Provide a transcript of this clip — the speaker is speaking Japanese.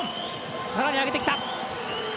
さらに上げてきた！